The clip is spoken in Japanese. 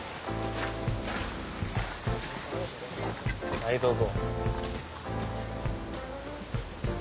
はいどうぞ。